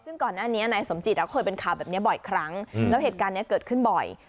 ซึ่งก่อนหน้านี้นายสมจิตเคยเป็นข่าวแบบนี้บ่อยครั้งแล้วเหตุการณ์นี้เกิดขึ้นบ่อย